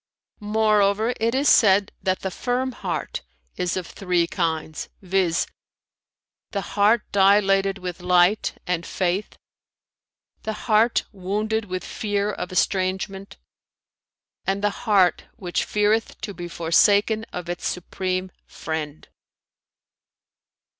Moreover, it is said that the firm heart is of three kinds, viz., the heart dilated with light and faith, the heart wounded with fear of estrangement, and the heart which feareth to be forsaken of its Supreme Friend."